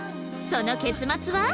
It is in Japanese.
その結末は？